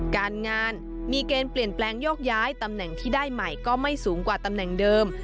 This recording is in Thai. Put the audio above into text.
การงานมีเกณฑ์เปลี่ยนแปลงโยกย้ายตำแหน่งที่ได้ใหม่ก็ไม่สูงกว่าตำแหน่งเดิม